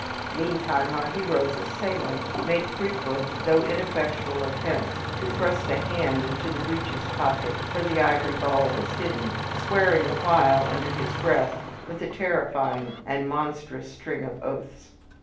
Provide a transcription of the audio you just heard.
Meantime, our hero's assailant made frequent though ineffectual attempts to thrust a hand into the breeches' pocket where the ivory ball was hidden, swearing the while under his breath with a terrifying and monstrous string of oaths.